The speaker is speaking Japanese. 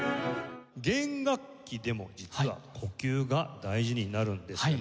弦楽器でも実は呼吸が大事になるんですよね？